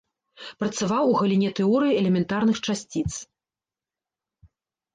Працаваў у галіне тэорыі элементарных часціц.